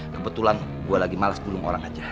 kebetulan gue lagi malas pulung orang aja